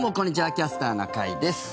「キャスターな会」です。